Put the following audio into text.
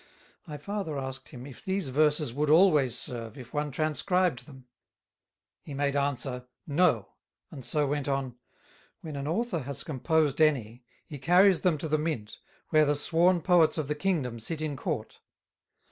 I farther asked him, If these Verses would always serve, if one Transcribed them? He made answer, No, and so went on: "When an Author has Composed any, he carries them to the Mint, where the sworn Poets of the Kingdom sit in Court.